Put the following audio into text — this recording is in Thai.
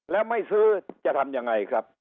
แล้วไม่ซื้อจะทำยังไงครับ